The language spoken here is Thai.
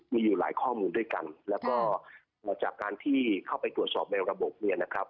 มีอยู่หลายข้อมูลด้วยกันแล้วก็หลังจากการที่เข้าไปตรวจสอบในระบบ